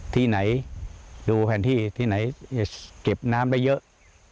ที่ไหนดูแผนที่ที่ไหนเก็บน้ำได้เยอะ